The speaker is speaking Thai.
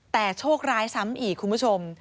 แต่โชคร้ายซ้ำอีกคุณผู้ชม